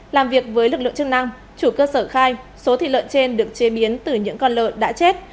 làm việc với lực lượng chức năng chủ cơ sở khai số thịt lợn trên được chế biến từ những con lợn đã chết